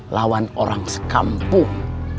lawan orang sekampung